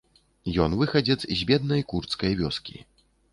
Ён выхадзец з беднай курдскай вёскі.